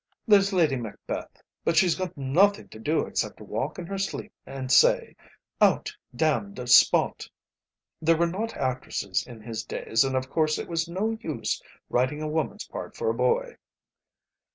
There's Lady Macbeth; but she's got nothing to do except walk in her sleep and say, 'Out, damned spot!' There were not actresses in his days, and of course it was no use writing a woman's part for a boy."